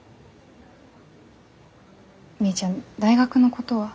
みーちゃん大学のことは？